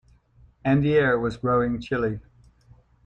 And the air was growing chilly.